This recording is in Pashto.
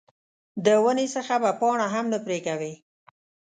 د ونې څخه به پاڼه هم نه پرې کوې.